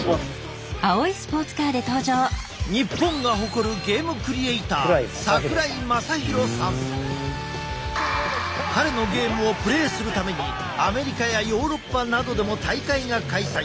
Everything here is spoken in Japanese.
日本が誇るゲームクリエーター彼のゲームをプレーするためにアメリカやヨーロッパなどでも大会が開催。